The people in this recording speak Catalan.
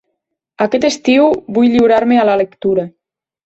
Aquest estiu vull lliurar-me a la lectura.